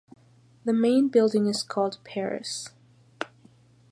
The main building is called Paris.